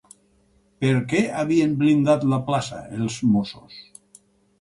Per què havien blindat la plaça els Mossos?